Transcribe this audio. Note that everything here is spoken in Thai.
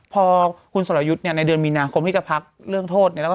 พอคุณสรหยุทธ์ในเดือนมีนาคมที่จะพักเรื่องโทษ